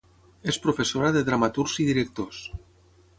És professora de dramaturgs i directors.